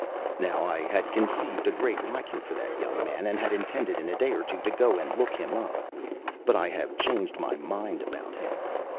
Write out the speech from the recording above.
Now, I had conceived a great liking for that young man, and had intended, in a day or two, to go and look him up. But I have changed my mind about him.